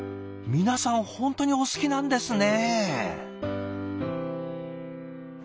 皆さん本当にお好きなんですね！